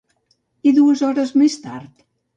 I dues hores més tard?